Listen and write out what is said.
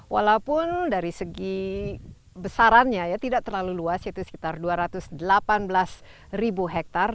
walaupun dari segi besarannya ya tidak terlalu luas yaitu sekitar dua ratus delapan belas ribu hektare